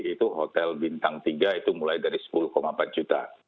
itu hotel bintang tiga itu mulai dari sepuluh empat juta